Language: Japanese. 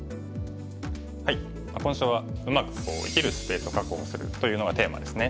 今週はうまく生きるスペースを確保するというのがテーマですね。